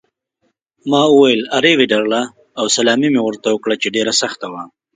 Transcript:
ما وویل: 'A rivederla' او سلامي مې ورته وکړه چې ډېره سخته وه.